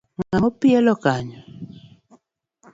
Ng'a mo pielo ka?